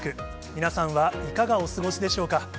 皆さんはいかがお過ごしでしょうか。